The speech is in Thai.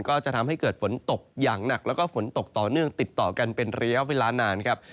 ก็จะทำให้เกิดฝนตกอย่างหนักแล้วก็ฝนตกต่อเนื่องติดต่อกันเป็นระยะเวลานานครับ